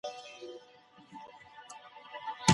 که ماشومان زده کړه ونه کړي راتلونکی به مو تیاره وي.